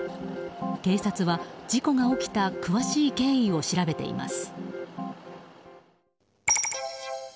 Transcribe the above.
警察は、事故が起きた詳しい経緯を調べています。